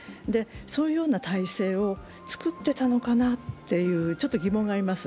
そういう体制を作ってたのかなとちょっと疑問があります。